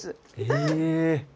へえ。